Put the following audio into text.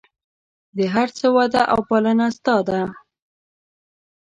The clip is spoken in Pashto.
د هر څه وده او پالنه ستا ده.